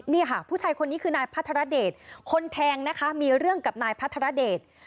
นี่ค่ะผู้ชายคนนี้คือนายพัทรเดชคนแทงนะคะมีเรื่องกับนายพัทรเดช